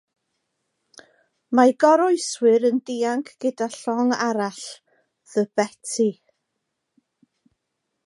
Mae'r goroeswyr yn dianc gyda llong arall, "The Betty ".